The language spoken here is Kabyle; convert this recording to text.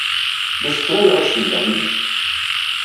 La ssefrayeɣ ad ssiwleɣ yid-k.